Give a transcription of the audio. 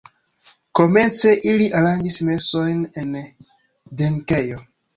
Komence ili aranĝis mesojn en drinkejo.